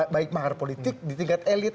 baik mahar politik di tingkat elit